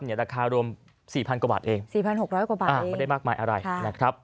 รูปภาพราคารวม๔๖๐๐ประมาณ